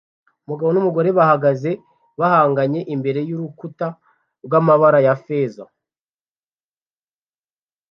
Umugabo numugore bahagaze bahanganye imbere yurukuta rwamabara ya feza